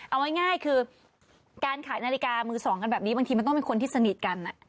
เอาง่ายคือการขายนาฬิกามือสองกันแบบนี้บางทีมันต้องเป็นคนที่สนิทกัน